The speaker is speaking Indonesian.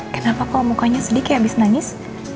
kenapa kok mukanya sedih kayak abis nangis